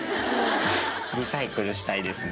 リサイクルしたいですね。